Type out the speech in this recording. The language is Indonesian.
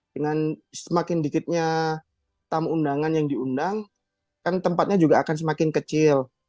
dengan semakin dikitnya tamu undangan yang diundang kan tempatnya juga akan semakin kecil